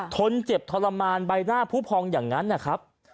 นเจ็บทรมานใบหน้าผู้พองอย่างนั้นนะครับ